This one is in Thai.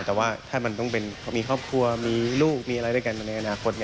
แต่ว่าถ้ามันต้องมีครอบครัวมีลูกมีอะไรด้วยกันมาในอนาคต